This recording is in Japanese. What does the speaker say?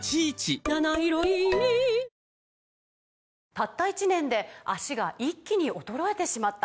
「たった１年で脚が一気に衰えてしまった」